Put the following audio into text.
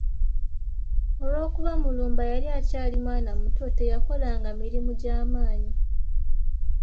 Olw’okuba Mulumba yali akyali mwana muto, teyakolanga mirimu gya maannyi.